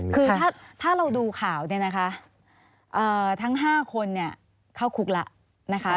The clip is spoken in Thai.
คือถ้าเราดูข่าวทั้ง๕คนเข้าคุกแล้ว